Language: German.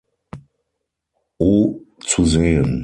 Oh zu sehen.